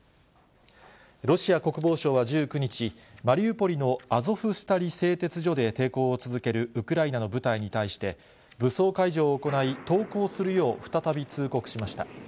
ロシア国防省は１９日、マリウポリのアゾフスタリ製鉄所で抵抗を続けるウクライナの部隊に対して、武装解除を行い、投降するよう再び通告しました。